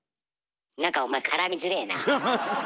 何かお前絡みづれえなあ。